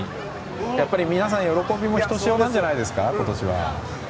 やっぱり皆さん、今年は喜びもひとしおなんじゃないですか？